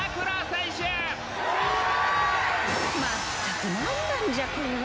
まったく何なんじゃこれは。